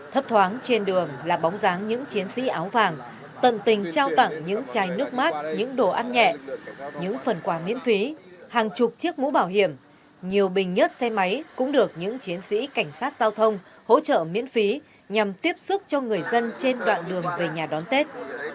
thấp thoáng trên đường là bóng dáng những chiến sĩ áo vàng tận tình trao tặng những chai nước mát những đồ ăn nhẹ những phần quà miễn phí hàng chục chiếc mũ bảo hiểm nhiều bình nhất xe máy cũng được những chiến sĩ cảnh sát giao thông hỗ trợ miễn phí nhằm tiếp xúc cho người dân trên đoạn đường về nhà đón tết